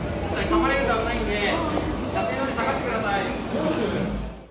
かまれると危ないんで、下がってください。